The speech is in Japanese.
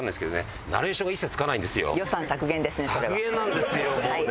削減なんですよもうね。